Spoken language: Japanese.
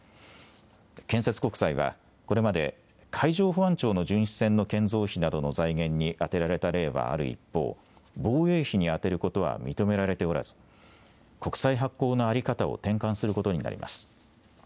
建設国債は、これまで海上保安庁の巡視船の建造費などの財源に充てられた例はある一方、防衛費に充てることは認められておらず、国債発行の在り方を転換することになります。